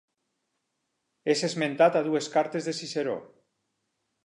És esmentat a dues cartes de Ciceró.